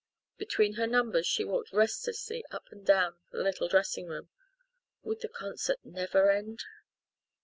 Between her numbers she walked restlessly up and down the little dressing room. Would the concert never end!